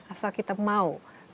asal kita mau